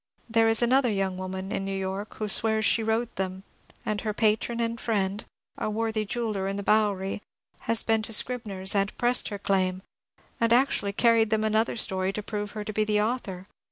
There is another young woman (in New York) who swears she wrote them, — and her patron and friend, a worthy jeweller in the Bowery, has been to Scribners and pressed her claim ; and actually carried them another story to prove her to be the author.